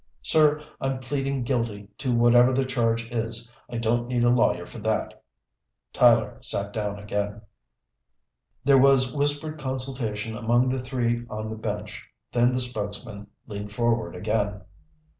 "Sir, I'm pleading guilty to whatever the charge is. I don't need a lawyer for that." Tyler sat down again. There was whispered consultation among the three on the bench. Then the spokesman leaned forward again.